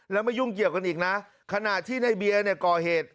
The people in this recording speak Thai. แล้วไม่ยุ่งเกี่ยวกันอีกนะขณะที่ในเบียร์เนี่ยก่อเหตุ